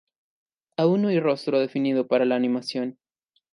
Aún no hay un rostro definido para la animación.